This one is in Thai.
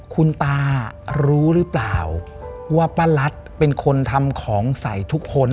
คุณตารู้หรือเปล่าว่าป้ารัฐเป็นคนทำของใส่ทุกคน